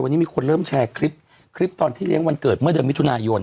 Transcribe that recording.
วันนี้มีคนเริ่มแชร์คลิปคลิปตอนที่เลี้ยงวันเกิดเมื่อเดือนมิถุนายน